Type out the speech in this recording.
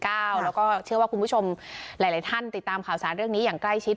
แล้วก็เชื่อว่าคุณผู้ชมหลายท่านติดตามข่าวสารเรื่องนี้อย่างใกล้ชิด